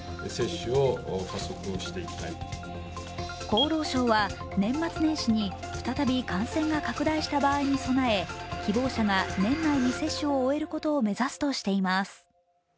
厚労省は、年末年始に再び感染が拡大した場合に備え、希望者が年内に接種を終えることを目指すとしています。